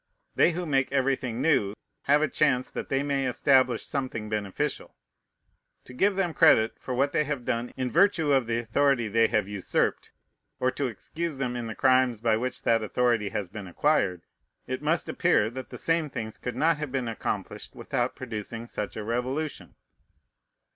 They who make everything new have a chance that they may establish something beneficial. To give them credit for what they have done in virtue of the authority they have usurped, or to excuse them in the crimes by which that authority has been acquired, it must appear that the same things could not have been accomplished without producing such a revolution.